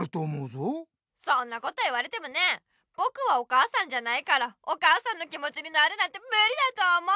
そんなこと言われてもねぼくはお母さんじゃないからお母さんの気もちになるなんてムリだと思う。